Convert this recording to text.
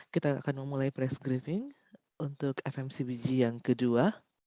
kita akan memulai press griffing untuk fmcbg yang kedua